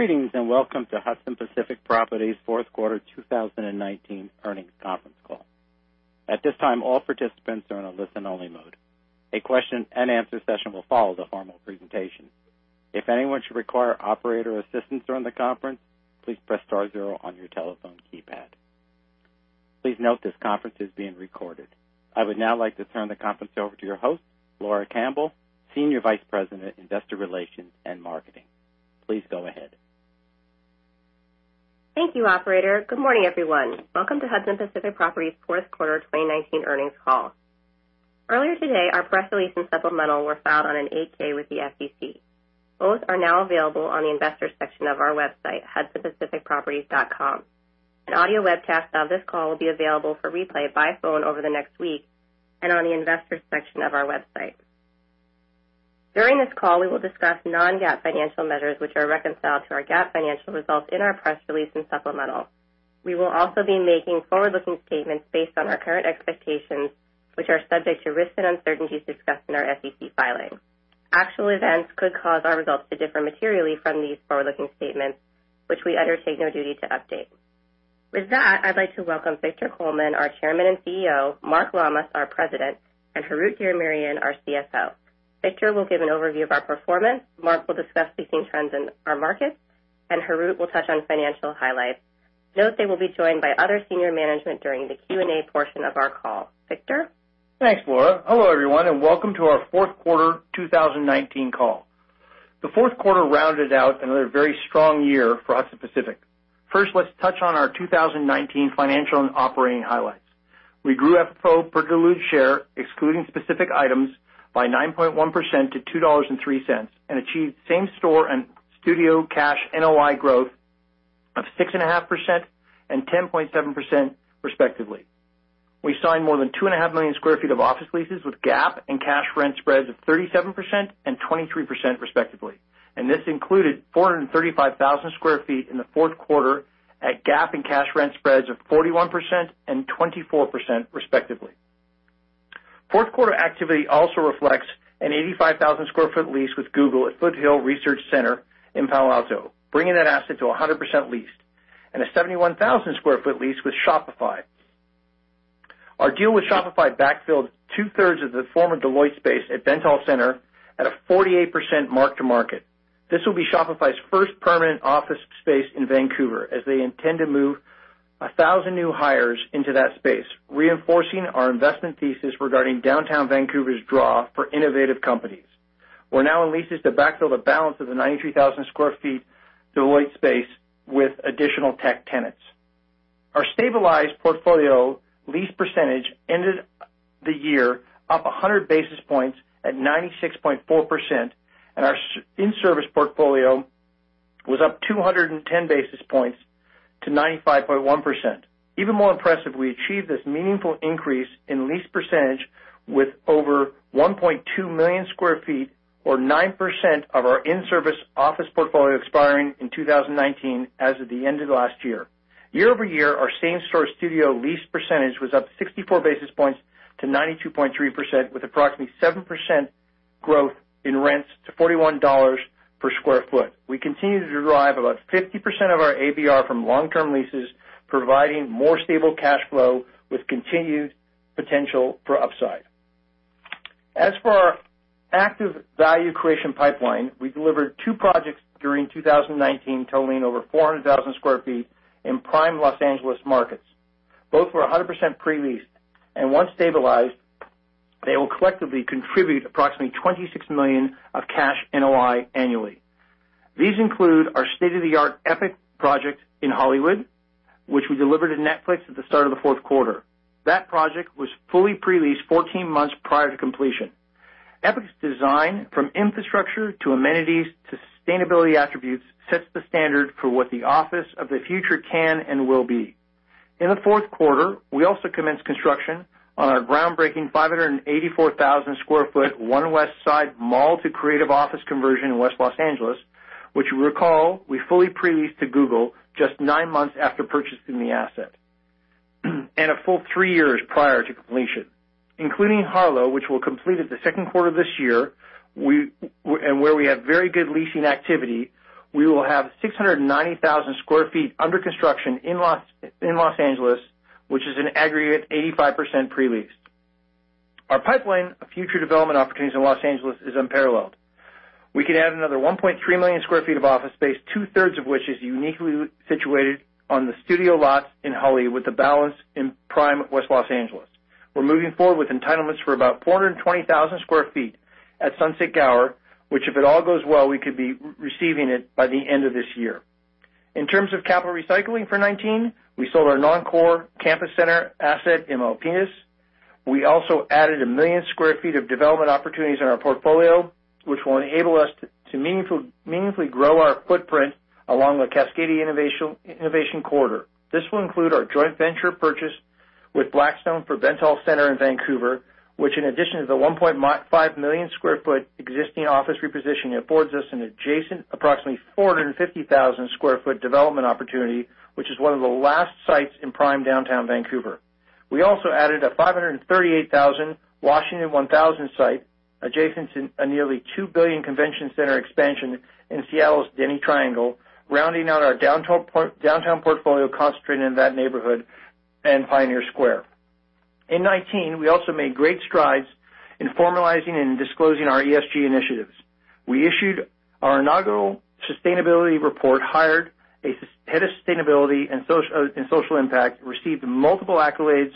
Greetings, and welcome to Hudson Pacific Properties' Q4 2019 earnings conference call. At this time, all participants are in a listen-only mode. A question and answer session will follow the formal presentation. If anyone should require operator assistance during the conference, please press star zero on your telephone keypad. Please note this conference is being recorded. I would now like to turn the conference over to your host, Laura Campbell, Senior Vice President, Investor Relations and Marketing. Please go ahead. Thank you, operator. Good morning, everyone. Welcome to Hudson Pacific Properties' Q4 2019 earnings call. Earlier today, our press release and supplemental were filed on an 8-K with the SEC. Both are now available on the investors section of our website, hudsonpacificproperties.com. An audio webcast of this call will be available for replay by phone over the next week, and on the investors section of our website. During this call, we will discuss non-GAAP financial measures which are reconciled to our GAAP financial results in our press release and supplemental. We will also be making forward-looking statements based on our current expectations, which are subject to risks and uncertainties discussed in our SEC filings. Actual events could cause our results to differ materially from these forward-looking statements, which we undertake no duty to update. With that, I'd like to welcome Victor Coleman, our Chairman and CEO, Mark Lammas, our President, and Harout Diramerian, our CFO. Victor will give an overview of our performance. Mark will discuss recent trends in our markets, and Harout will touch on financial highlights. Note they will be joined by other senior management during the Q&A portion of our call. Victor? Thanks, Laura. Hello, everyone, and welcome to our Q4 2019 call. The Q4 rounded out another very strong year for Hudson Pacific. First, let's touch on our 2019 financial and operating highlights. We grew FFO per diluted share, excluding specific items, by 9.1% to $2.03, and achieved same store and studio cash NOI growth of 6.5% and 10.7% respectively. We signed more than two and a half million sq ft of office leases with GAAP and cash rent spreads of 37% and 23% respectively, and this included 435,000 sq ft in the Q4 at GAAP and cash rent spreads of 41% and 24% respectively. Q4 activity also reflects an 85,000 sq ft lease with Google at Foothill Research Center in Palo Alto, bringing that asset to 100% leased, and a 71,000 sq ft lease with Shopify. Our deal with Shopify backfilled two-thirds of the former Deloitte space at Bentall Center at a 48% mark to market. This will be Shopify's first permanent office space in Vancouver, as they intend to move 1,000 new hires into that space, reinforcing our investment thesis regarding downtown Vancouver's draw for innovative companies. We're now in leases to backfill the balance of the 93,000 sq ft Deloitte space with additional tech tenants. Our stabilized portfolio lease percentage ended the year up 100 basis points at 96.4%. Our in-service portfolio was up 210 basis points to 95.1%. Even more impressive, we achieved this meaningful increase in lease percentage with over 1.2 million sq ft, or 9% of our in-service office portfolio expiring in 2019 as of the end of last year. Year-over-year, our same store studio lease percentage was up 64 basis points to 92.3%, with approximately 7% growth in rents to $41 per square foot. We continue to derive about 50% of our ABR from long-term leases, providing more stable cash flow with continued potential for upside. As for our active value creation pipeline, we delivered two projects during 2019 totaling over 400,000 sq ft in prime Los Angeles markets. Both were 100% pre-leased, and once stabilized, they will collectively contribute approximately $26 million of cash NOI annually. These include our state-of-the-art EPIC project in Hollywood, which we delivered to Netflix at the start of the Q4. That project was fully pre-leased 14 months prior to completion. EPIC's design, from infrastructure to amenities to sustainability attributes, sets the standard for what the office of the future can and will be. In the Q4, we also commenced construction on our groundbreaking 584,000 sq ft One Westside mall to creative office conversion in West L.A., which you recall we fully pre-leased to Google just nine months after purchasing the asset, and a full three years prior to completion. Including Harlow, which we will complete at the Q2 of this year, and where we have very good leasing activity, we will have 690,000 sq ft under construction in L.A., which is an aggregate 85% pre-leased. Our pipeline of future development opportunities in L.A. is unparalleled. We could add another 1.3 million sq ft of office space, two-thirds of which is uniquely situated on the studio lots in Hollywood, with the balance in prime West L.A. We're moving forward with entitlements for about 420,000 sq ft at Sunset Gower, which, if it all goes well, we could be receiving it by the end of this year. In terms of capital recycling for 2019, we sold our non-core Campus Center asset in Milpitas. We also added a million sq ft of development opportunities in our portfolio, which will enable us to meaningfully grow our footprint along the Cascadia Innovation Corridor. This will include our joint venture purchase with Blackstone for Bentall Center in Vancouver, which in addition to the 1.5 million sq ft existing office repositioning, affords us an adjacent approximately 450,000 sq ft development opportunity, which is one of the last sites in prime downtown Vancouver. We also added a 538,000 Washington 1000 site adjacent to a nearly $2 billion convention center expansion in Seattle's Denny Triangle, rounding out our downtown portfolio concentrated in that neighborhood and Pioneer Square. In 2019, we also made great strides in formalizing and disclosing our ESG initiatives. We issued our inaugural sustainability report, hired a head of sustainability and social impact, received multiple accolades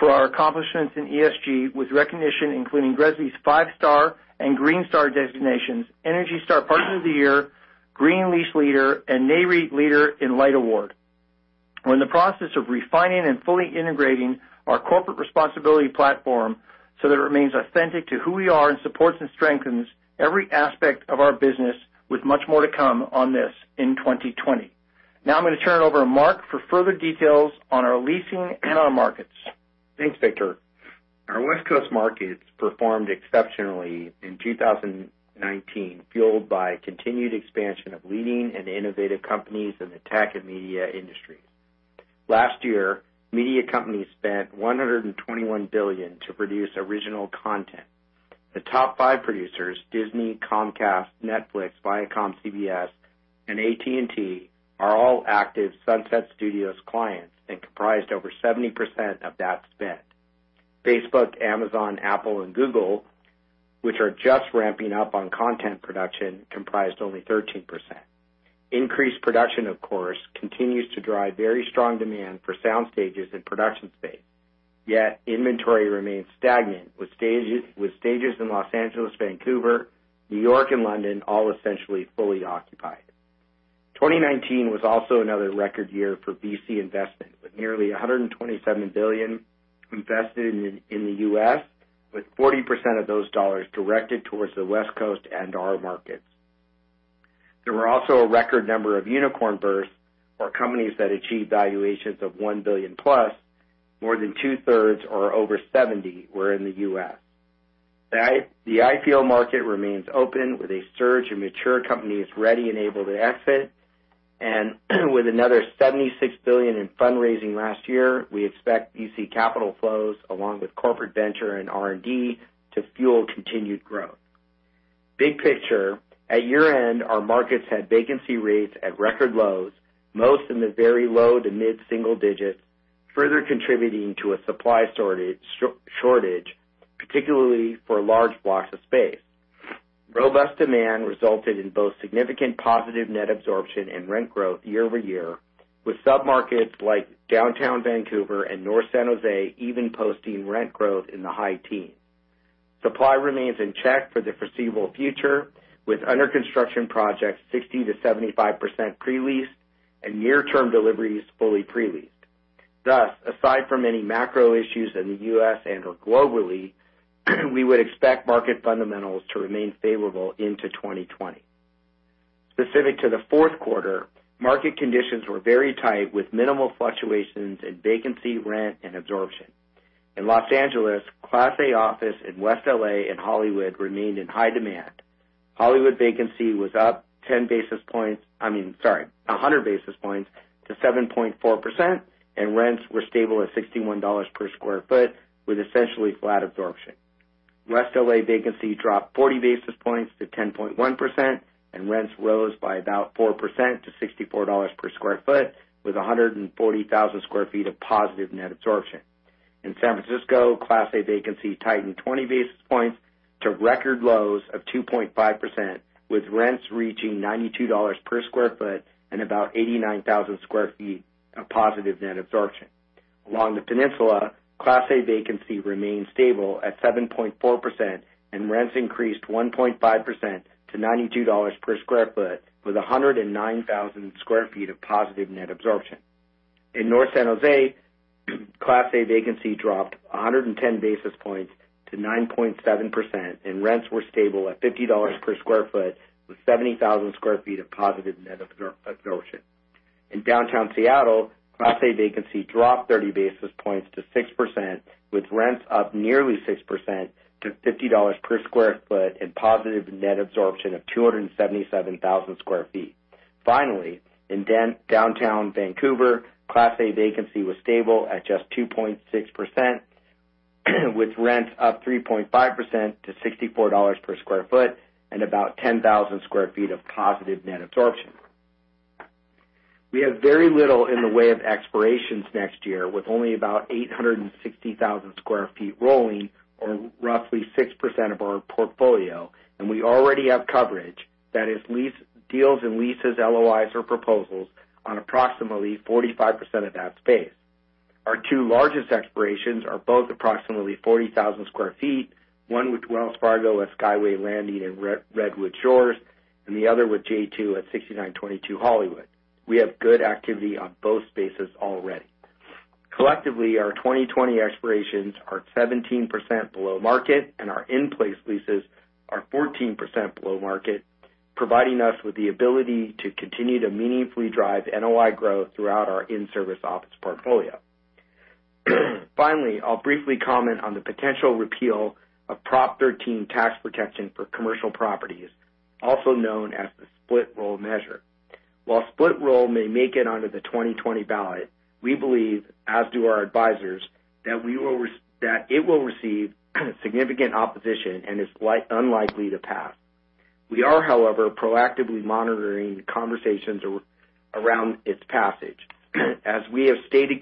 for our accomplishments in ESG with recognition, including GRESB's five-star and green star designations, ENERGY STAR Partners of the Year, Green Lease Leader, and Nareit Leader in Light Award. We're in the process of refining and fully integrating our corporate responsibility platform so that it remains authentic to who we are and supports and strengthens every aspect of our business with much more to come on this in 2020. I'm going to turn it over to Mark for further details on our leasing and our markets. Thanks, Victor. Our West Coast markets performed exceptionally in 2019, fueled by continued expansion of leading and innovative companies in the tech and media industries. Last year, media companies spent $121 billion to produce original content. The top five producers, Disney, Comcast, Netflix, Viacom, CBS, and AT&T, are all active Sunset Studios clients and comprised over 70% of that spend. Facebook, Amazon, Apple, and Google, which are just ramping up on content production, comprised only 13%. Increased production, of course, continues to drive very strong demand for sound stages and production space. Yet, inventory remains stagnant, with stages in Los Angeles, Vancouver, New York, and London all essentially fully occupied. 2019 was also another record year for VC investment, with nearly $127 billion invested in the U.S., with 40% of those dollars directed towards the West Coast and our markets. There were also a record number of unicorn births for companies that achieved valuations of $1 billion-plus. More than two-thirds, or over 70, were in the U.S. The IPO market remains open with a surge in mature companies ready and able to exit. With another $76 billion in fundraising last year, we expect VC capital flows, along with corporate venture and R&D, to fuel continued growth. Big picture, at year-end, our markets had vacancy rates at record lows, most in the very low to mid-single digits, further contributing to a supply shortage, particularly for large blocks of space. Robust demand resulted in both significant positive net absorption and rent growth year-over-year, with sub-markets like downtown Vancouver and North San Jose even posting rent growth in the high teens. Supply remains in check for the foreseeable future, with under-construction projects 60%-75% pre-leased and near-term deliveries fully pre-leased. Thus, aside from any macro issues in the U.S. and/or globally, we would expect market fundamentals to remain favorable into 2020. Specific to the Q4, market conditions were very tight with minimal fluctuations in vacancy, rent, and absorption. In Los Angeles, class A office in West L.A. and Hollywood remained in high demand. Hollywood vacancy was up 100 basis points to 7.4%, and rents were stable at $61 per sq ft with essentially flat absorption. West L.A. vacancy dropped 40 basis points to 10.1%, and rents rose by about 4% to $64 per sq ft, with 140,000 sq ft of positive net absorption. In San Francisco, class A vacancy tightened 20 basis points to record lows of 2.5%, with rents reaching $92 per sq ft and about 89,000 sq ft of positive net absorption. Along the peninsula, class A vacancy remained stable at 7.4%, and rents increased 1.5% to $92 per square foot, with 109,000 sq ft of positive net absorption. In North San Jose, class A vacancy dropped 110 basis points to 9.7%, and rents were stable at $50 per square foot, with 70,000 sq ft of positive net absorption. In downtown Seattle, class A vacancy dropped 30 basis points to 6%, with rents up nearly 6% to $50 per square foot and positive net absorption of 277,000 sq ft. Finally, in downtown Vancouver, class A vacancy was stable at just 2.6%, with rents up 3.5% to $64 per square foot and about 10,000 sq ft of positive net absorption. We have very little in the way of expirations next year, with only about 860,000 sq ft rolling or roughly 6% of our portfolio, and we already have coverage, that is deals and leases, LOIs, or proposals on approximately 45% of that space. Our two largest expirations are both approximately 40,000 sq ft, one with Wells Fargo at Skyway Landing in Redwood Shores and the other with j2 at 6922 Hollywood. We have good activity on both spaces already. Collectively, our 2020 expirations are 17% below market, and our in-place leases are 14% below market, providing us with the ability to continue to meaningfully drive NOI growth throughout our in-service office portfolio. Finally, I'll briefly comment on the potential repeal of Prop 13 tax protection for commercial properties, also known as the split roll measure. While split roll may make it onto the 2020 ballot, we believe, as do our advisors, that it will receive significant opposition and is unlikely to pass. We are, however, proactively monitoring the conversations around its passage. As we have stated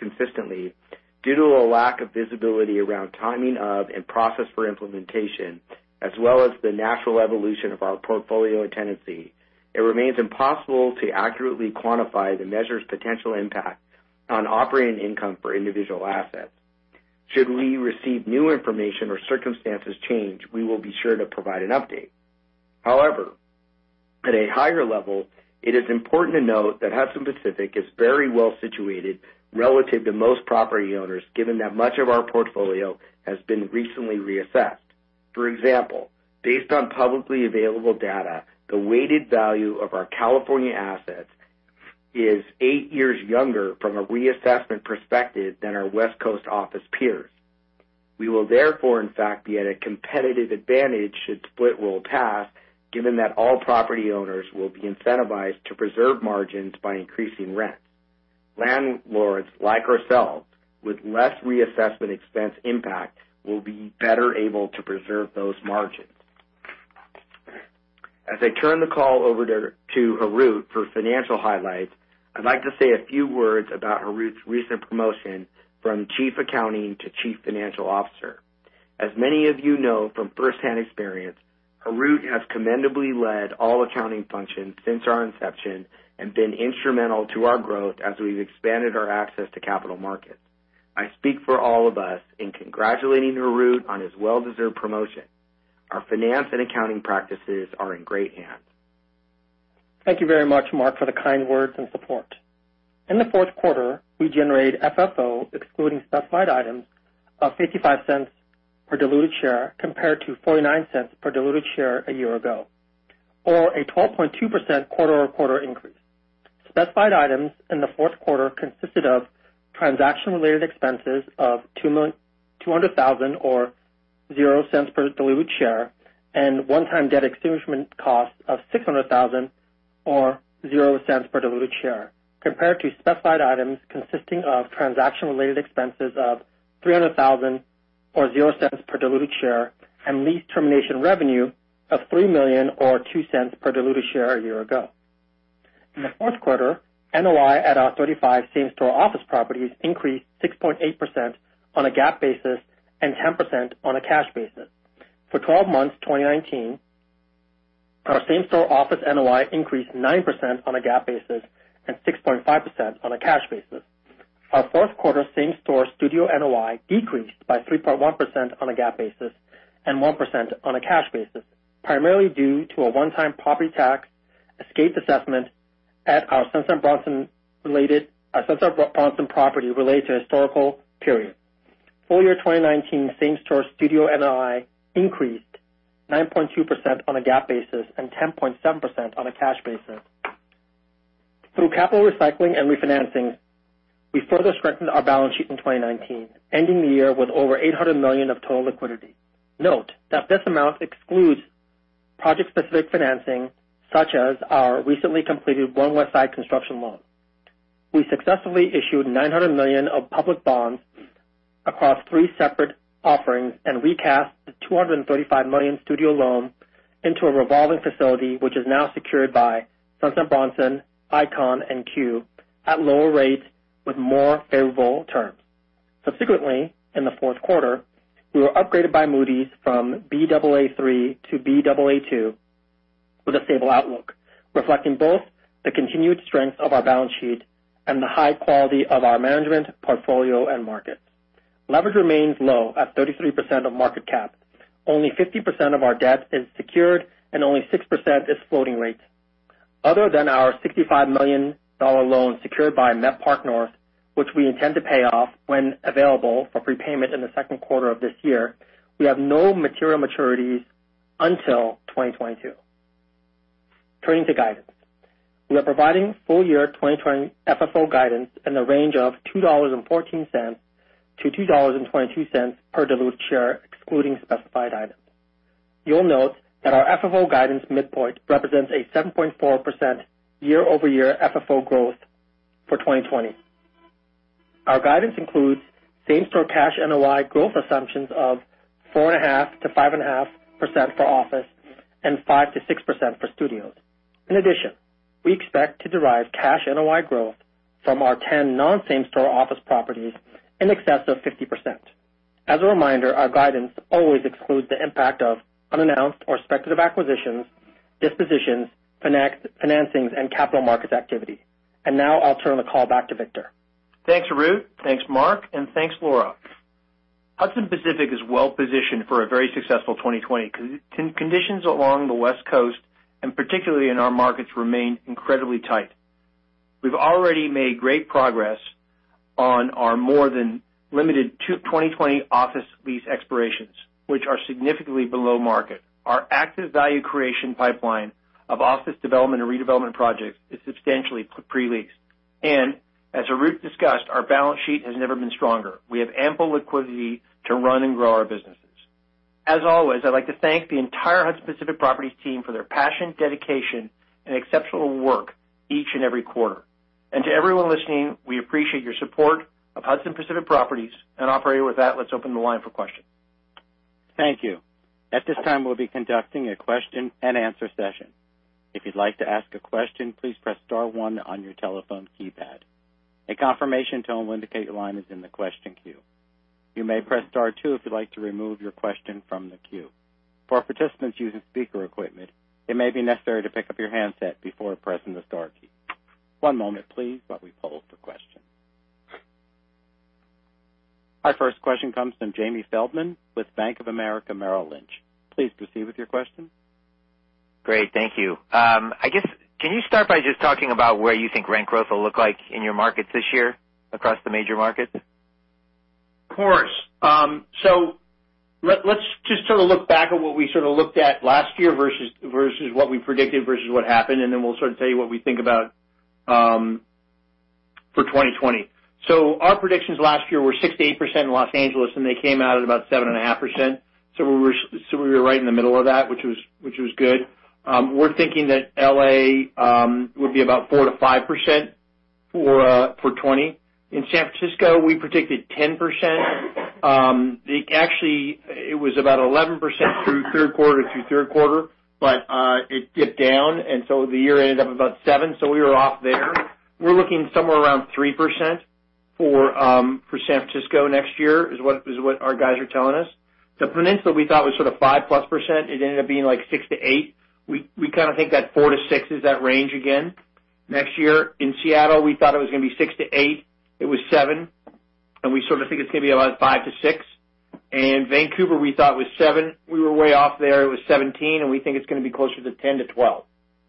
consistently, due to a lack of visibility around timing of and process for implementation, as well as the natural evolution of our portfolio and tenancy, it remains impossible to accurately quantify the measure's potential impact on operating income for individual assets. Should we receive new information or circumstances change, we will be sure to provide an update. However, at a higher level, it is important to note that Hudson Pacific is very well-situated relative to most property owners, given that much of our portfolio has been recently reassessed. For example, based on publicly available data, the weighted value of our California assets is eight years younger from a reassessment perspective than our West Coast office peers. We will therefore, in fact, be at a competitive advantage should split roll pass, given that all property owners will be incentivized to preserve margins by increasing rents. Landlords like ourselves with less reassessment expense impact will be better able to preserve those margins. As I turn the call over to Harout for financial highlights, I'd like to say a few words about Harout's recent promotion from chief accounting to Chief Financial Officer. As many of you know from firsthand experience, Harout has commendably led all accounting functions since our inception and been instrumental to our growth as we've expanded our access to capital markets. I speak for all of us in congratulating Harout on his well-deserved promotion. Our finance and accounting practices are in great hands. Thank you very much, Mark, for the kind words and support. In the Q4, we generated FFO, excluding specified items, of $0.55 per diluted share compared to $0.49 per diluted share a year ago, or a 12.2% quarter-over-quarter increase. Specified items in the Q4 consisted of transaction-related expenses of $200,000 or $0.00 per diluted share and one-time debt extinguishment cost of $600,000 or $0.00 per diluted share. Compared to specified items consisting of transaction-related expenses of $300,000 or $0.00 per diluted share and lease termination revenue of $3 million or $0.02 per diluted share a year ago. In the Q4, NOI at our 35 same-store office properties increased 6.8% on a GAAP basis and 10% on a cash basis. For 12 months 2019, our same-store office NOI increased 9% on a GAAP basis and 6.5% on a cash basis. Our fourth-quarter same-store studio NOI decreased by 3.1% on a GAAP basis and 1% on a cash basis, primarily due to a one-time property tax escape assessment at our Sunset Bronson property related to historical period. Full year 2019 same-store studio NOI increased 9.2% on a GAAP basis and 10.7% on a cash basis. Through capital recycling and refinancing, we further strengthened our balance sheet in 2019, ending the year with over $800 million of total liquidity. Note that this amount excludes project-specific financing, such as our recently completed One Westside construction loan. We successfully issued $900 million of public bonds across three separate offerings and recast the $235 million studio loan into a revolving facility, which is now secured by Sunset Bronson, Icon, and CUE at lower rates with more favorable terms. Subsequently, in the Q4, we were upgraded by Moody's from Baa3 to Baa2 with a stable outlook, reflecting both the continued strength of our balance sheet and the high quality of our management, portfolio, and markets. Leverage remains low at 33% of market cap. Only 50% of our debt is secured and only 6% is floating rate. Other than our $65 million loan secured by Met Park North, which we intend to pay off when available for prepayment in the Q2 of this year, we have no material maturities until 2022. Turning to guidance. We are providing full-year 2020 FFO guidance in the range of $2.14-$2.22 per diluted share, excluding specified items. You'll note that our FFO guidance midpoint represents a 7.4% year-over-year FFO growth for 2020. Our guidance includes same-store cash NOI growth assumptions of 4.5%-5.5% for office and 5%-6% for studios. In addition, we expect to derive cash NOI growth from our 10 non-same-store office properties in excess of 50%. As a reminder, our guidance always excludes the impact of unannounced or speculative acquisitions, dispositions, financings, and capital markets activity. Now I'll turn the call back to Victor. Thanks, Harout. Thanks, Mark, and thanks, Laura. Hudson Pacific is well-positioned for a very successful 2020. Conditions along the West Coast, and particularly in our markets, remain incredibly tight. We've already made great progress on our more than limited 2020 office lease expirations, which are significantly below market. Our active value creation pipeline of office development and redevelopment projects is substantially pre-leased. As Harout discussed, our balance sheet has never been stronger. We have ample liquidity to run and grow our business. As always, I'd like to thank the entire Hudson Pacific Properties team for their passion, dedication, and exceptional work each and every quarter. To everyone listening, we appreciate your support of Hudson Pacific Properties. Operator, with that, let's open the line for questions. Thank you. At this time, we'll be conducting a question and answer session. If you'd like to ask a question, please press star one on your telephone keypad. A confirmation tone will indicate your line is in the question queue. You may press star two if you'd like to remove your question from the queue. For participants using speaker equipment, it may be necessary to pick up your handset before pressing the star key. One moment please, while we poll for questions. Our first question comes from Jamie Feldman with Bank of America Merrill Lynch. Please proceed with your question. Great. Thank you. I guess, can you start by just talking about where you think rent growth will look like in your markets this year across the major markets? Of course. Let's just sort of look back at what we sort of looked at last year versus what we predicted versus what happened, and then we'll sort of tell you what we think about for 2020. Our predictions last year were 68% in Los Angeles, and they came out at about 7.5%. We were right in the middle of that, which was good. We're thinking that L.A. would be about 4%-5% for 2020. In San Francisco, we predicted 10%. Actually, it was about 11% through Q3, but it dipped down, the year ended up about seven, we were off there. We're looking somewhere around 3% for San Francisco next year, is what our guys are telling us. The peninsula we thought was sort of 5%+. It ended up being like six to eight. We kind of think that four to six is that range again. Next year in Seattle, we thought it was going to be six to eight, it was seven. We sort of think it's going to be about five to six. Vancouver, we thought was seven. We were way off there. It was 17. We think it's going to be closer to 10 to 12.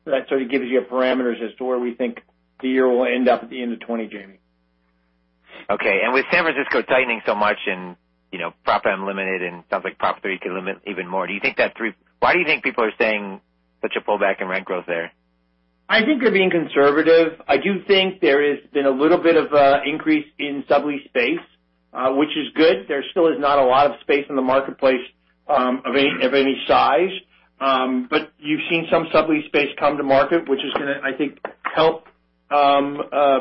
That sort of gives you parameters as to where we think the year will end up at the end of 2020, Jamie. Okay, with San Francisco tightening so much and Prop M limited and sounds like Proposition E could limit even more. Why do you think people are saying such a pullback in rent growth there? I think they're being conservative. I do think there has been a little bit of an increase in sublease space, which is good. There still is not a lot of space in the marketplace of any size. You've seen some sublease space come to market, which is going to, I think, help the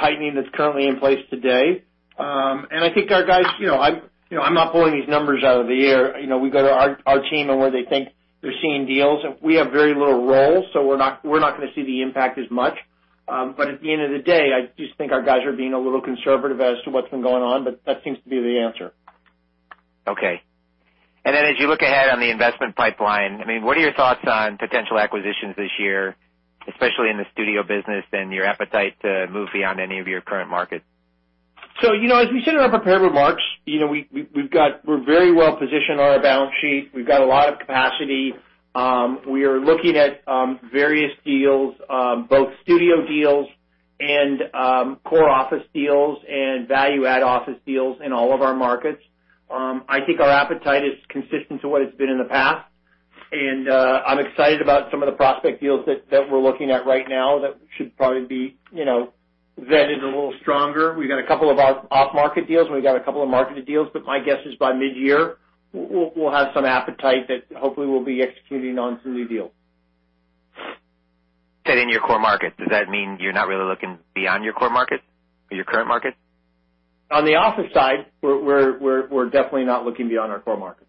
tightening that's currently in place today. I think our guys. I'm not pulling these numbers out of the air. We go to our team and where they think they're seeing deals, and we have very little roll, so we're not going to see the impact as much. At the end of the day, I just think our guys are being a little conservative as to what's been going on, but that seems to be the answer. Okay. As you look ahead on the investment pipeline, what are your thoughts on potential acquisitions this year, especially in the studio business and your appetite to move beyond any of your current markets? As we said in our prepared remarks, we're very well positioned on our balance sheet. We've got a lot of capacity. We are looking at various deals, both studio deals and core office deals and value-add office deals in all of our markets. I think our appetite is consistent to what it's been in the past, and I'm excited about some of the prospect deals that we're looking at right now that should probably be vetted a little stronger. We've got a couple of off-market deals, and we've got a couple of marketed deals. My guess is by mid-year, we'll have some appetite that hopefully we'll be executing on some new deals. Said in your core market. Does that mean you're not really looking beyond your core market or your current market? On the office side, we're definitely not looking beyond our core market.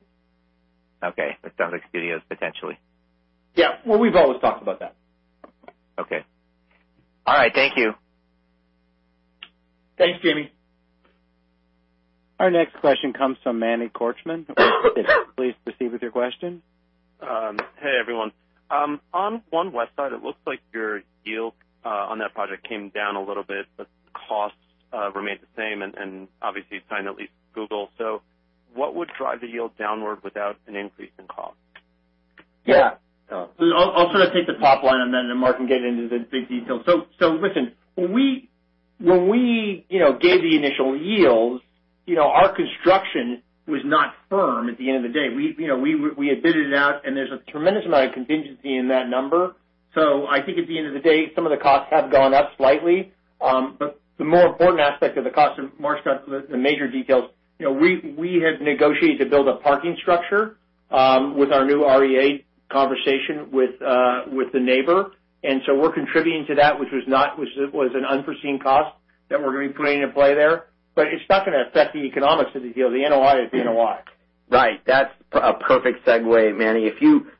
Okay. That sounds like studios, potentially. Yeah. Well, we've always talked about that. Okay. All right. Thank you. Thanks, Jamie. Our next question comes from Manny Korchman. Please proceed with your question. Hey, everyone. On One Westside, it looks like your yield on that project came down a little bit, but costs remained the same and obviously you signed a lease with Google. What would drive the yield downward without an increase in cost? Yeah. I'll sort of take the top line on that, and then Mark can get into the big details. Listen, when we gave the initial yields, our construction was not firm at the end of the day. We had bid it out, and there's a tremendous amount of contingency in that number. I think at the end of the day, some of the costs have gone up slightly. The more important aspect of the cost, Mark's got the major details. We had negotiated to build a parking structure with our new REA conversation with the neighbor. We're contributing to that, which was an unforeseen cost that we're going to be putting in play there. It's not going to affect the economics of the deal. The NOI is the NOI. Right. That's a perfect segue, Manny.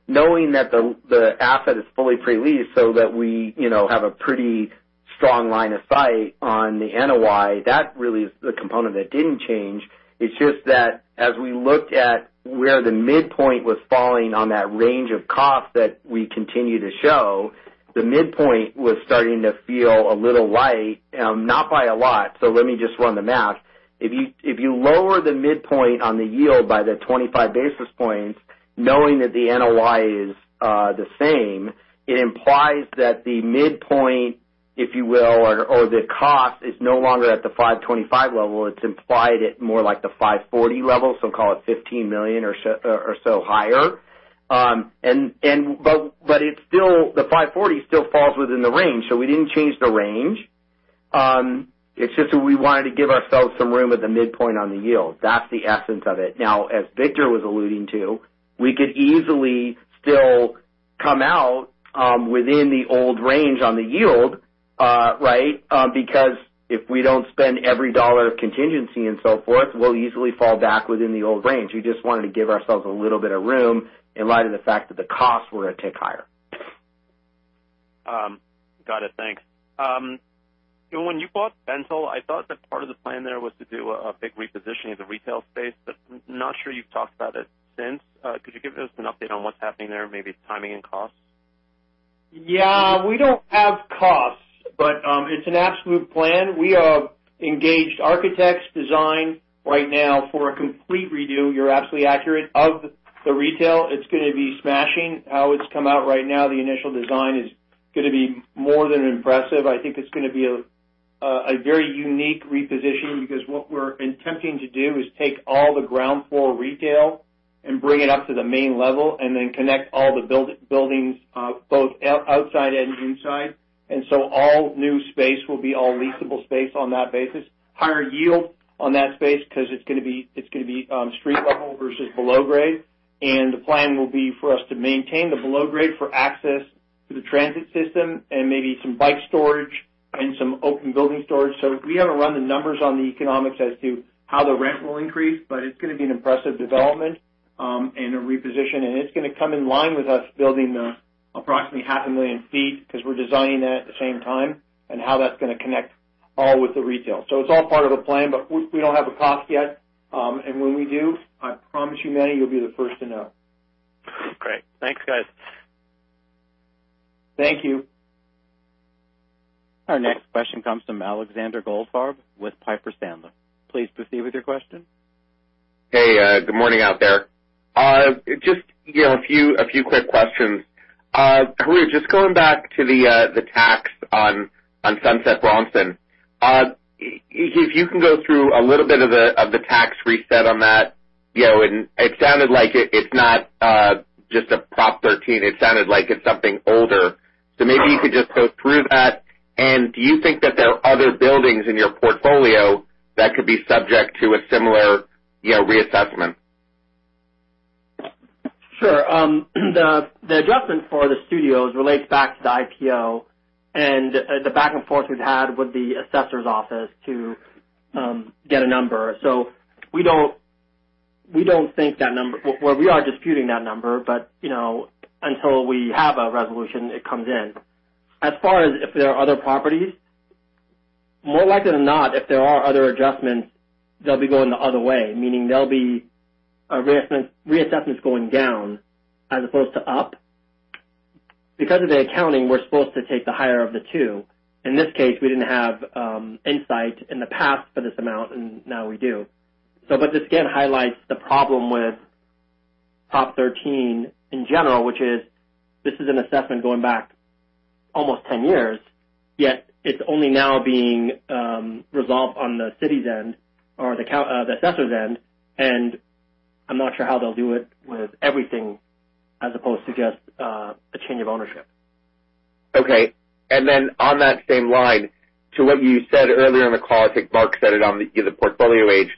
Knowing that the asset is fully pre-leased so that we have a pretty strong line of sight on the NOI, that really is the component that didn't change. It's just that as we looked at where the midpoint was falling on that range of costs that we continue to show, the midpoint was starting to feel a little light. Not by a lot, so let me just run the math. If you lower the midpoint on the yield by the 25 basis points, knowing that the NOI is the same, it implies that the midpoint, if you will, or the cost is no longer at the 525 level. It's implied at more like the 540 level, so call it $15 million or so higher. The 540 still falls within the range, so we didn't change the range. It's just that we wanted to give ourselves some room at the midpoint on the yield. That's the essence of it. Now, as Victor was alluding to, we could easily still come out within the old range on the yield, right? If we don't spend every dollar of contingency and so forth, we'll easily fall back within the old range. We just wanted to give ourselves a little bit of room in light of the fact that the costs were going to tick higher. Got it. Thanks. When you bought Bentall, I thought that part of the plan there was to do a big repositioning of the retail space, but I'm not sure you've talked about it since. Could you give us an update on what's happening there? Maybe timing and costs? Yeah. We don't have costs, but it's an absolute plan. We have engaged architects design right now for a complete redo, you're absolutely accurate, of the retail. It's going to be smashing. How it's come out right now, the initial design is going to be more than impressive. I think it's going to be a very unique repositioning, because what we're attempting to do is take all the ground floor retail and bring it up to the main level, and then connect all the buildings, both outside and inside. All new space will be all leasable space on that basis. Higher yield on that space, because it's going to be street level versus below grade. The plan will be for us to maintain the below grade for access to the transit system and maybe some bike storage and some open building storage. We haven't run the numbers on the economics as to how the rent will increase, but it's going to be an impressive development, and a reposition, and it's going to come in line with us building approximately half a million feet, because we're designing that at the same time, and how that's going to connect all with the retail. It's all part of the plan, but we don't have the cost yet. When we do, I promise you, Manny, you'll be the first to know. Great. Thanks, guys. Thank you. Our next question comes from Alexander Goldfarb with Piper Sandler. Please proceed with your question. Hey, good morning out there. Just a few quick questions. Harout, just going back to the tax on Sunset Bronson. If you can go through a little bit of the tax reset on that. It sounded like it's not just a Prop 13. It sounded like it's something older. Maybe you could just go through that. Do you think that there are other buildings in your portfolio that could be subject to a similar reassessment? Sure. The adjustment for the studios relates back to the IPO and the back and forth we've had with the assessor's office to get a number. We are disputing that number, but until we have a resolution, it comes in. As far as if there are other properties, more likely than not, if there are other adjustments, they'll be going the other way, meaning they'll be reassessments going down as opposed to up. Because of the accounting, we're supposed to take the higher of the two. In this case, we didn't have insight in the past for this amount, and now we do. This, again, highlights the problem with Proposition 13 in general, which is this is an assessment going back almost 10 years, yet it's only now being resolved on the city's end or the assessor's end, and I'm not sure how they'll do it with everything as opposed to just a change of ownership. Okay. On that same line to what you said earlier in the call, I think Mark said it on the portfolio age,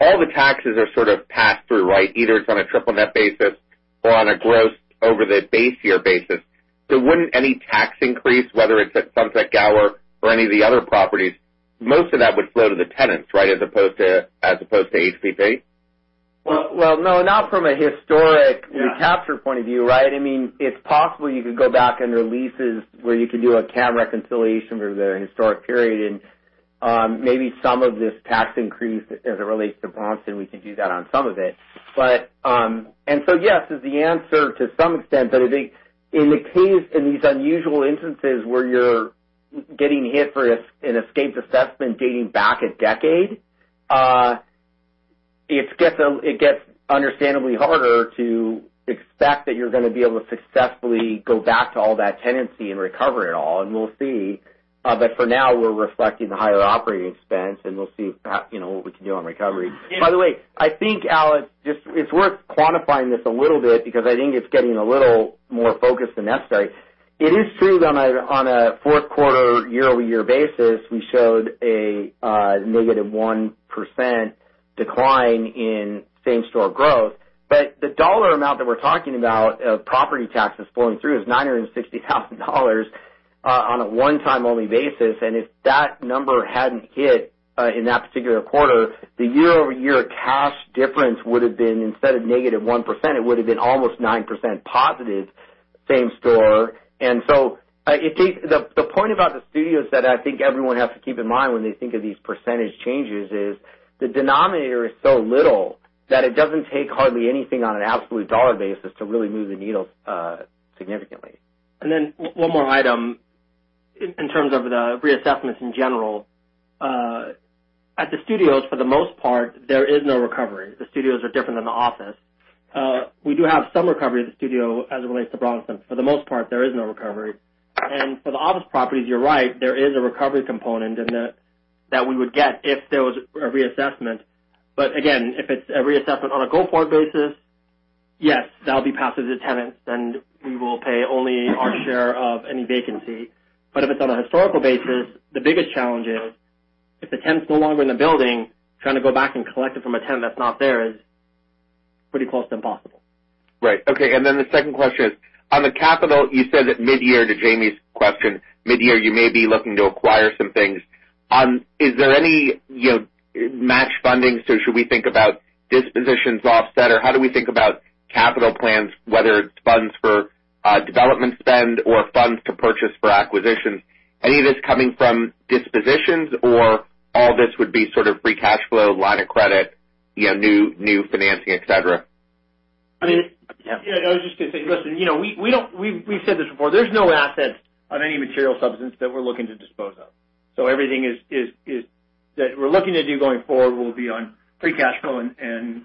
all the taxes are sort of passed through, right? Either it's on a triple net basis or on a gross over the base year basis. Wouldn't any tax increase, whether it's at Sunset Gower or any of the other properties, most of that would flow to the tenants, right? As opposed to HPP? Well, no, not from a historic recapture point of view, right? It's possible you could go back under leases where you could do a CAM reconciliation for the historic period and maybe some of this tax increase as it relates to Bronson, we could do that on some of it. Yes is the answer to some extent, but I think in these unusual instances where you're getting hit for an escaped assessment dating back a decade, it gets understandably harder to expect that you're going to be able to successfully go back to all that tenancy and recover it all. We'll see. For now, we're reflecting the higher operating expense, and we'll see what we can do on recovery. By the way, I think, Alex, it's worth quantifying this a little bit because I think it's getting a little more focused than necessary. It is true that on a Q4 year-over-year basis, we showed a negative 1% decline in same store growth. The dollar amount that we're talking about of property taxes flowing through is $960,000 on a one-time only basis. If that number hadn't hit in that particular quarter, the year-over-year cash difference would have been, instead of negative 1%, it would have been almost 9% positive same store. The point about the studios that I think everyone has to keep in mind when they think of these percentage changes is the denominator is so little that it doesn't take hardly anything on an absolute dollar basis to really move the needle significantly. One more item in terms of the reassessments in general. At the studios, for the most part, there is no recovery. The studios are different than the office. We do have some recovery at the studio as it relates to Bronson. For the most part, there is no recovery. For the office properties, you're right, there is a recovery component in it that we would get if there was a reassessment. Again, if it's a reassessment on a go-forward basis. Yes, that'll be passed to the tenants, and we will pay only our share of any vacancy. If it's on a historical basis, the biggest challenge is if the tenant's no longer in the building, trying to go back and collect it from a tenant that's not there is pretty close to impossible. Right. Okay. The second question is, on the capital, you said that mid-year, to Jamie's question, mid-year, you may be looking to acquire some things. Is there any match funding? Should we think about dispositions offset? How do we think about capital plans, whether it's funds for development spend or funds to purchase for acquisitions, any of this coming from dispositions, or all this would be sort of free cash flow, line of credit, new financing, et cetera? I was just going to say, listen, we've said this before, there's no assets of any material substance that we're looking to dispose of. Everything that we're looking to do going forward will be on free cash flow and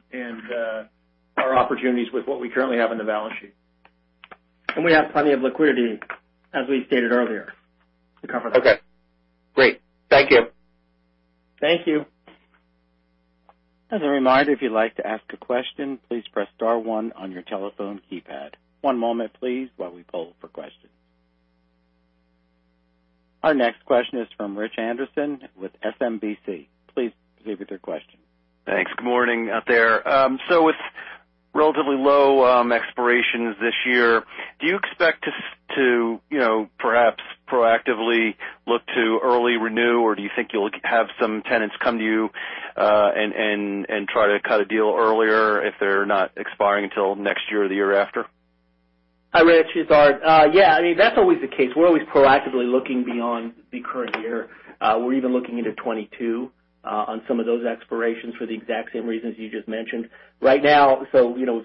our opportunities with what we currently have on the balance sheet. We have plenty of liquidity, as we stated earlier in the conference. Okay, great. Thank you. Thank you. As a reminder, if you'd like to ask a question, please press star one on your telephone keypad. One moment please while we poll for questions. Our next question is from Rich Anderson with SMBC. Please proceed with your question. Thanks. Good morning out there. With relatively low expirations this year, do you expect to perhaps proactively look to early renew, or do you think you'll have some tenants come to you and try to cut a deal earlier if they're not expiring till next year or the year after? Hi, Rich. It's Art. Yeah, that's always the case. We're always proactively looking beyond the current year. We're even looking into 2022 on some of those expirations for the exact same reasons you just mentioned. Right now, we've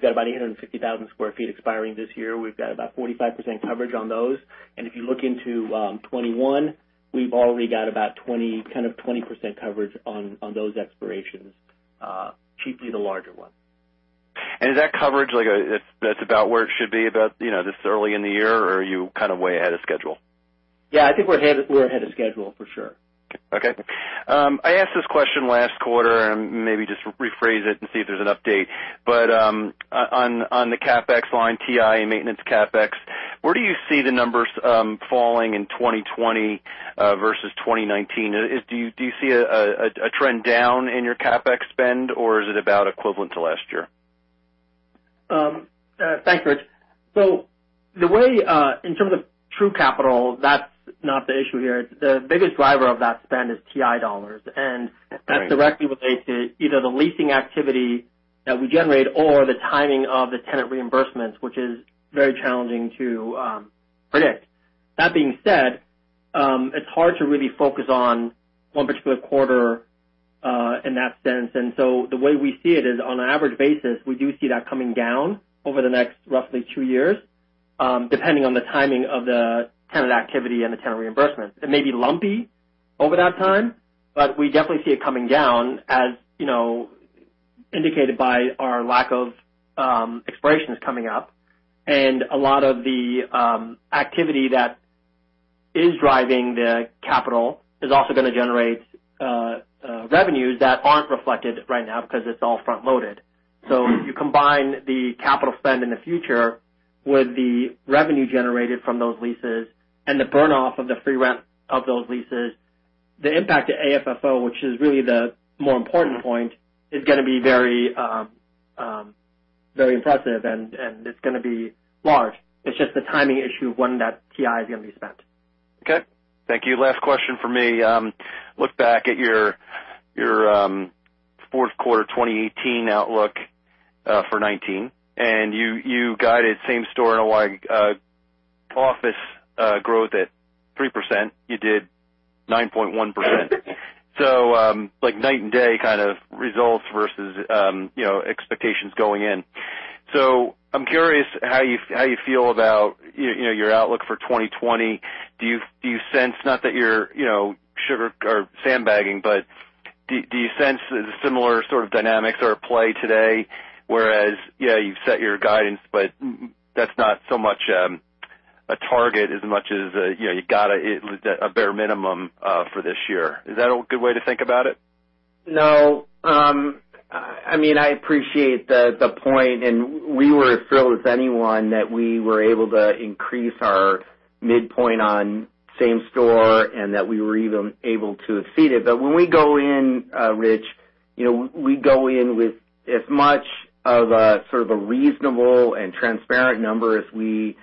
got about 850,000 sq ft expiring this year. We've got about 45% coverage on those. If you look into 2021, we've already got about 20% coverage on those expirations, chiefly the larger ones. Is that coverage, that's about where it should be about this early in the year or are you kind of way ahead of schedule? Yeah, I think we're ahead of schedule for sure. Okay. I asked this question last quarter and maybe just rephrase it and see if there's an update. On the CapEx line, TI and maintenance CapEx, where do you see the numbers falling in 2020 versus 2019? Do you see a trend down in your CapEx spend, or is it about equivalent to last year? Thanks, Rich. In terms of true capital, that's not the issue here. The biggest driver of that spend is TI $, and that's directly related to either the leasing activity that we generate or the timing of the tenant reimbursements, which is very challenging to predict. That being said, it's hard to really focus on one particular quarter in that sense. The way we see it is on an average basis, we do see that coming down over the next roughly two years, depending on the timing of the tenant activity and the tenant reimbursements. It may be lumpy over that time, we definitely see it coming down, as indicated by our lack of expirations coming up. A lot of the activity that is driving the capital is also going to generate revenues that aren't reflected right now because it's all front-loaded. If you combine the capital spend in the future with the revenue generated from those leases and the burn-off of the free rent of those leases, the impact to AFFO, which is really the more important point, is going to be very impressive, and it's going to be large. It's just the timing issue of when that TI is going to be spent. Okay. Thank you. Last question from me. Look back at your Q4 2018 outlook for 2019. You guided same store NOI office growth at 3%. You did 9.1%. Like night and day kind of results versus expectations going in. I'm curious how you feel about your outlook for 2020. Not that you're sandbagging. Do you sense that similar sort of dynamics are at play today, whereas yeah, you've set your guidance, but that's not so much a target as much as you got at least a bare minimum for this year. Is that a good way to think about it? I appreciate the point, we were as thrilled as anyone that we were able to increase our midpoint on same store and that we were even able to exceed it. When we go in, Rich, we go in with as much of a sort of a reasonable and transparent number as we've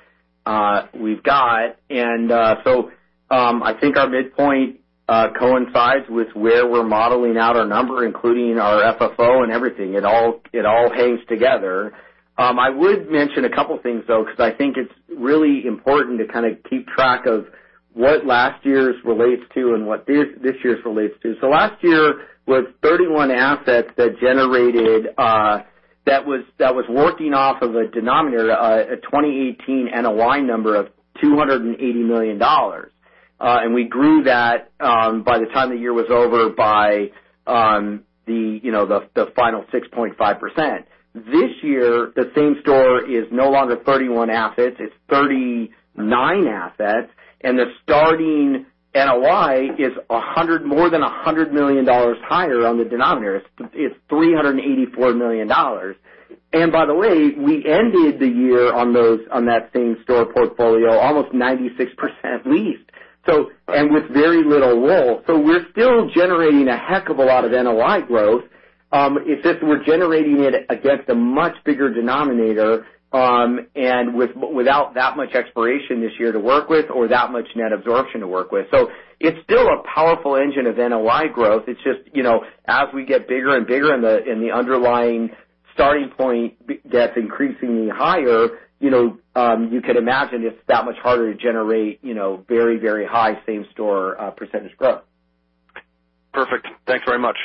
got. I think our midpoint coincides with where we're modeling out our number, including our FFO and everything. It all hangs together. I would mention a couple things, though, because I think it's really important to kind of keep track of what last year's relates to and what this year's relates to. Last year was 31 assets that was working off of a denominator, a 2018 NOI number of $280 million. We grew that by the time the year was over by the final 6.5%. This year, the same store is no longer 31 assets, it's 39 assets, and the starting NOI is more than $100 million higher on the denominator. It's $384 million. By the way, we ended the year on that same-store portfolio, almost 96% leased, and with very little roll. We're still generating a heck of a lot of NOI growth. It's just we're generating it against a much bigger denominator, and without that much expiration this year to work with or that much net absorption to work with. It's still a powerful engine of NOI growth. It's just as we get bigger and bigger in the underlying starting point that's increasingly higher, you could imagine it's that much harder to generate very, very high same-store percentage growth. Perfect. Thanks very much.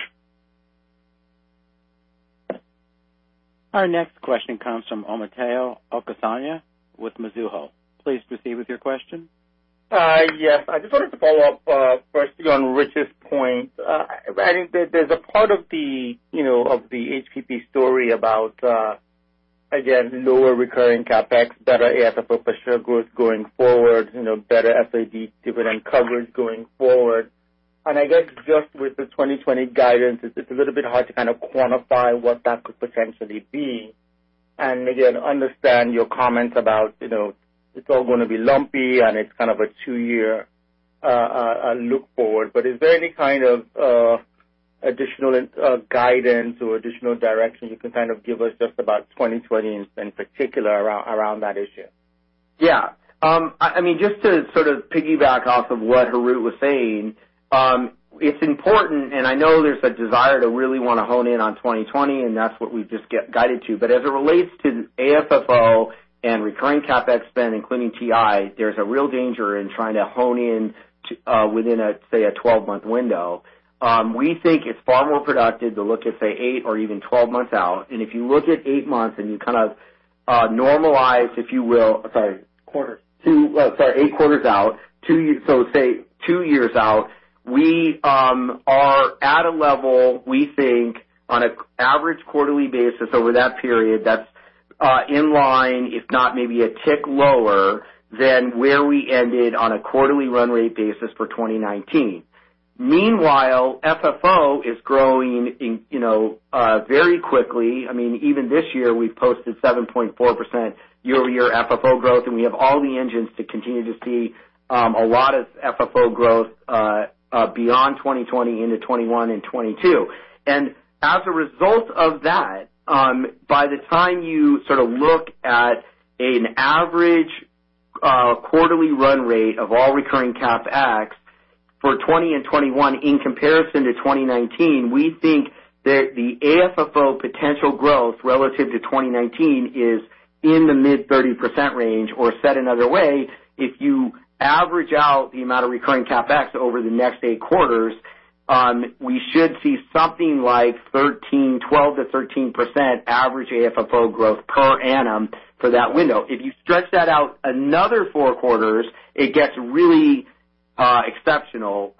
Our next question comes from Omotayo Okusanya with Mizuho. Please proceed with your question. Yes. I just wanted to follow up first on Richard's point. I think there's a part of the HPP story about, again, lower recurring CapEx, better AFFO per share growth going forward, better FAD dividend coverage going forward. I guess just with the 2020 guidance, it's a little bit hard to kind of quantify what that could potentially be. Again, understand your comment about it's all going to be lumpy and it's kind of a two-year look forward. Is there any kind of additional guidance or additional direction you can kind of give us just about 2020 in particular around that issue? Yeah. Just to sort of piggyback off of what Harout was saying, it's important, and I know there's a desire to really want to hone in on 2020, and that's what we've just guided to. As it relates to AFFO and recurring CapEx spend, including TI, there's a real danger in trying to hone in within, say, a 12-month window. We think it's far more productive to look at, say, eight or even 12 months out. If you look at eight months and you kind of normalize, if you will. Quarter. Sorry, eight quarters out. Say two years out, we are at a level, we think, on an average quarterly basis over that period that's in line, if not maybe a tick lower than where we ended on a quarterly run rate basis for 2019. Meanwhile, FFO is growing very quickly. Even this year, we've posted 7.4% year-over-year FFO growth, and we have all the engines to continue to see a lot of FFO growth beyond 2020 into 2021 and 2022. As a result of that, by the time you sort of look at an average quarterly run rate of all recurring CapEx for 2020 and 2021 in comparison to 2019, we think that the AFFO potential growth relative to 2019 is in the mid-30% range, or said another way, if you average out the amount of recurring CapEx over the next eight quarters, we should see something like 12%-13% average AFFO growth per annum for that window. If you stretch that out another four quarters, it gets really exceptional.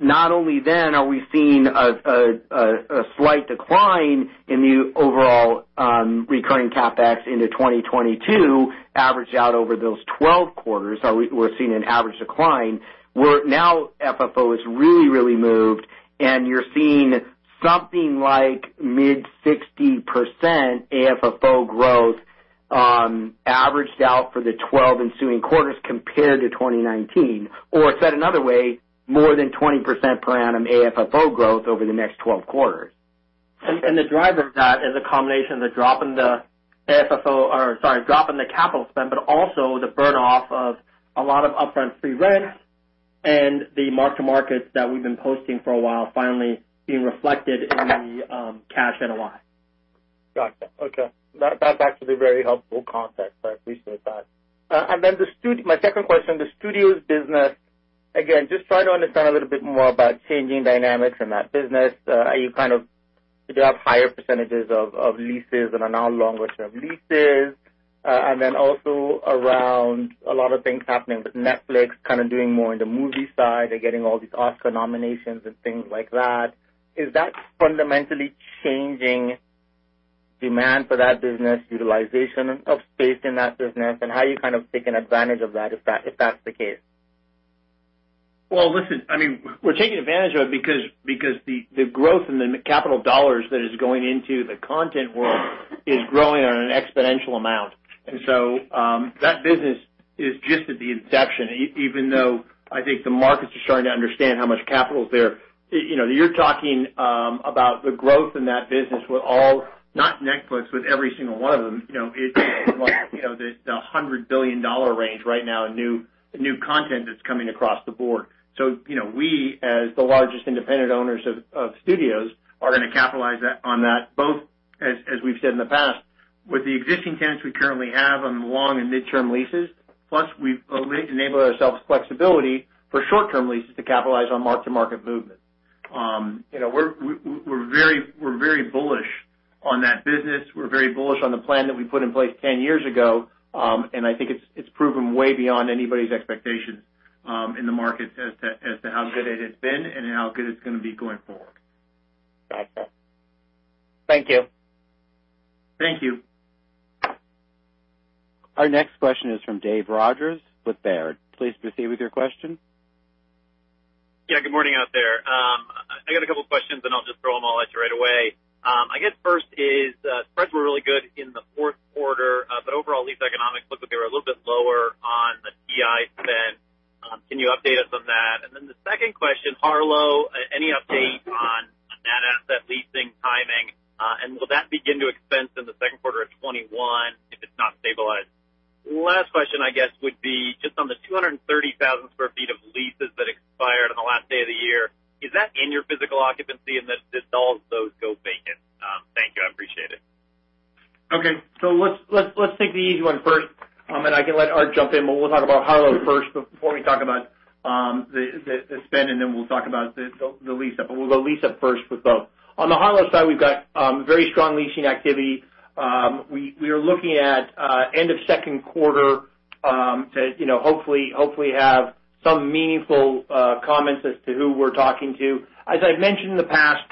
Not only then are we seeing a slight decline in the overall recurring CapEx into 2022, averaged out over those 12 quarters, we're seeing an average decline, where now FFO has really moved and you're seeing something like mid-60% AFFO growth averaged out for the 12 ensuing quarters compared to 2019. Said another way, more than 20% per annum AFFO growth over the next 12 quarters. The drive of that is a combination of the drop in the capital spend, but also the burn-off of a lot of upfront free rent and the mark-to markets that we've been posting for a while finally being reflected in the cash NOI. Gotcha. Okay. That's actually very helpful context. I appreciate the time. My second question, the studios business. Again, just trying to understand a little bit more about changing dynamics in that business. Do you have higher % of leases and are now longer-term leases? Also around a lot of things happening with Netflix, kind of doing more in the movie side. They're getting all these Oscar nominations and things like that. Is that fundamentally changing demand for that business, utilization of space in that business, and how are you kind of taking advantage of that, if that's the case? Listen, we're taking advantage of it because the growth in the capital dollars that is going into the content world is growing on an exponential amount. That business is just at the inception, even though I think the markets are starting to understand how much capital is there. You're talking about the growth in that business with all, not Netflix, with every single one of them. It's the $100 billion range right now in new content that's coming across the board. We, as the largest independent owners of studios, are going to capitalize on that both, as we've said in the past, with the existing tenants we currently have on the long and midterm leases, plus we've enabled ourselves flexibility for short-term leases to capitalize on mark-to-market movement. We're very bullish on that business. We're very bullish on the plan that we put in place 10 years ago, and I think it's proven way beyond anybody's expectations in the market as to how good it has been and how good it's going to be going forward. Got that. Thank you. Thank you. Our next question is from Dave Rodgers with Baird. Please proceed with your question. Yeah. Good morning out there. I got a couple questions, and I'll just throw them all at you right away. I guess first is, spreads were really good in the Q4, but overall lease economics looked like they were a little bit lower on the TI spend. Can you update us on that? The second question, Harout, any update on that asset leasing timing, and will that begin to expense in the Q2 of 2021 if it's not stabilized? Last question, I guess, would be just on the 230,000 sq ft of leases that expired on the last day of the year. Is that in your physical occupancy, and did all of those go vacant? Thank you. I appreciate it. Okay, let's take the easy one first, and I can let Art jump in, but we'll talk about Harlow first before we talk about the spend. Then we'll talk about the lease-up. We'll go lease-up first with both. On the Harlow side, we've got very strong leasing activity. We are looking at end of Q2 to hopefully have some meaningful comments as to who we're talking to. As I've mentioned in the past,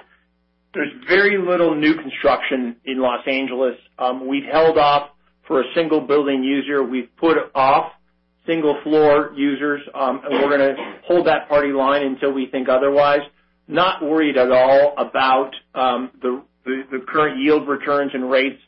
there's very little new construction in Los Angeles. We've held off for a single building user. We've put off single floor users. We're going to hold that party line until we think otherwise. Not worried at all about the current yield returns and rates.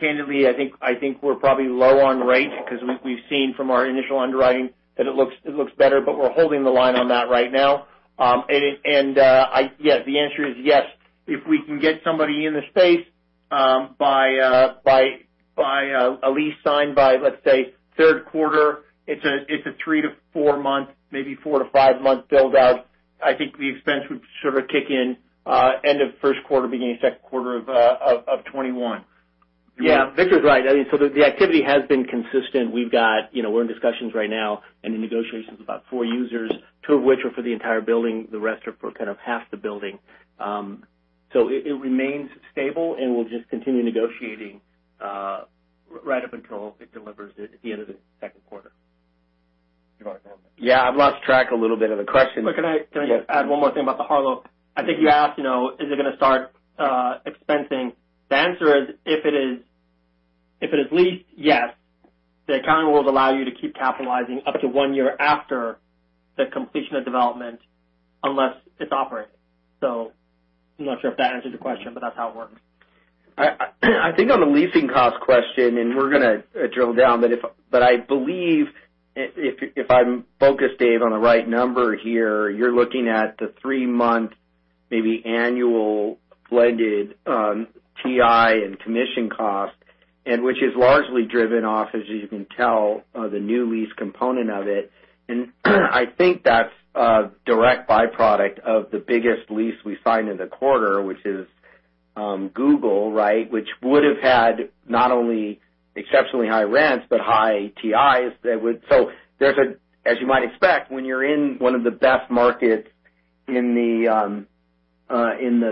Candidly, I think we're probably low on rate because we've seen from our initial underwriting that it looks better. We're holding the line on that right now. The answer is yes. If we can get somebody in the space by a lease signed by, let's say, Q3, it's a three to four month, maybe four to five-month build-out. I think the expense would sort of kick in end of Q1, beginning Q2 of 2021. Yeah. Victor's right. The activity has been consistent. We're in discussions right now and in negotiations with about four users, two of which are for the entire building. The rest are for kind of half the building. It remains stable, and we'll just continue negotiating right up until it delivers at the end of the Q2. Do you want to go on that? Yeah, I've lost track a little bit of the question. Can I just add one more thing about the Harlow? I think you asked, is it going to start expensing? The answer is, if it is leased, yes. The accounting rules allow you to keep capitalizing up to one year after the completion of development unless it's operating. I'm not sure if that answers the question, but that's how it works. I think on the leasing cost question, and we're going to drill down, but I believe if I'm focused, Dave, on the right number here, you're looking at the three-month, maybe annual blended TI and commission cost, and which is largely driven off, as you can tell, the new lease component of it. I think that's a direct byproduct of the biggest lease we signed in the quarter, which is Google, right? Which would have had not only exceptionally high rents, but high TIs. As you might expect, when you're in one of the best markets in the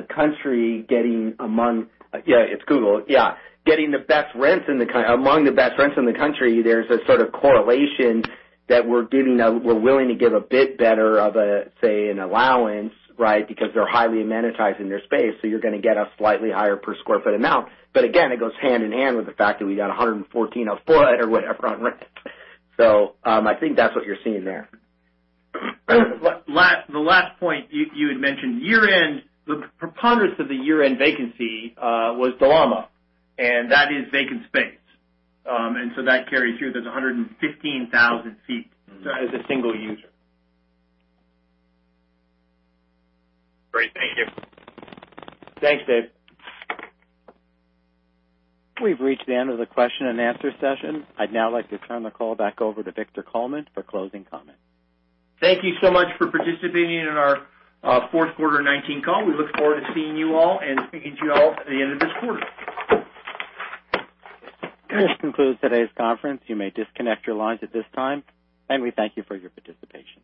country, Yeah, it's Google. Yeah. Getting among the best rents in the country, there's a sort of correlation that we're willing to give a bit better of, say, an allowance, right? Because they're highly amenitized in their space, you're going to get a slightly higher per square foot amount. Again, it goes hand in hand with the fact that we got $114 a foot or whatever on rent. I think that's what you're seeing there. The last point you had mentioned, the preponderance of the year-end vacancy was Del Amo, and that is vacant space. That carries through. There's 115,000 feet as a single user. Great. Thank you. Thanks, Dave. We've reached the end of the question and answer session. I'd now like to turn the call back over to Victor Coleman for closing comments. Thank you so much for participating in our Q4 2019 call. We look forward to seeing you all and speaking to you all at the end of this quarter. This concludes today's conference. You may disconnect your lines at this time, and we thank you for your participation.